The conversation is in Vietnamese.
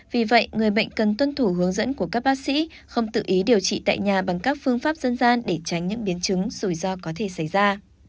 vì vậy người bệnh cần tuân thủ hướng dẫn của các bác sĩ không tự ý điều trị tại nhà bằng các phương pháp dân gian để tránh những biến chứng rủi ro có thể xảy ra